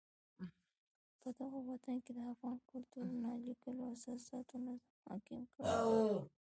پدغه وطن کې د افغان کلتور نا لیکلو اساساتو نظم حاکم کړی.